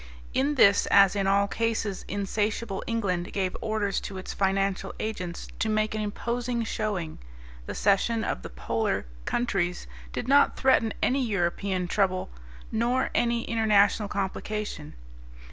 In this as in all cases insatiable England gave orders to its financial agents to make an imposing showing. The cession of the polar countries did not threaten any European trouble nor any international complication.